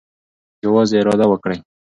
یوازې اراده وکړئ.